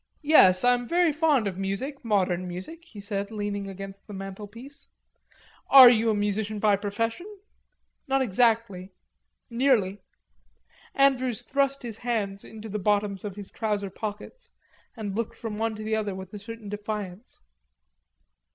"Yes, I am very fond of music, modern music," he said, leaning against the mantelpiece. "Are you a musician by profession?" "Not exactly... nearly." Andrews thrust his hands into the bottoms of his trouser pockets and looked from one to the other with a certain defiance.